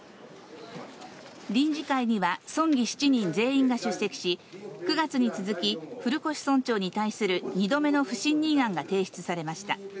臨時会には、村議７人が全員出席し、９月に続き古越村長に対する２度目の不信任案が提出されました。